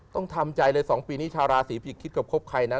ต้องทำใจเลย๒ปีนี้ชาวราศีพิกคิดกับคบใครนะ